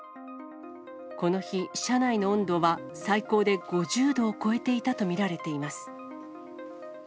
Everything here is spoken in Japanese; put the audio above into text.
この日、車内の温度は、最高で５０度を超えていたと見られています。